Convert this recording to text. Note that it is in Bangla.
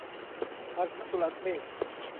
আর কিছু লাগবে?